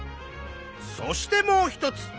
そしてもう一つ。